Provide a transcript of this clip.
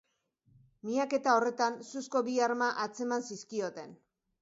Miaketa horretan, suzko bi arma atzeman zizkioten.